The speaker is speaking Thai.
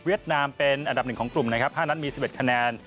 นามเป็นอันดับ๑ของกลุ่มนะครับ๕นัดมี๑๑คะแนน